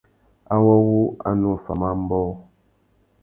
Awô wu a nu offamú ambōh.